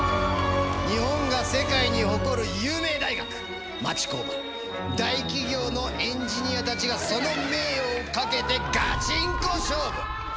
日本が世界に誇る有名大学町工場大企業のエンジニアたちがその名誉をかけてガチンコ勝負！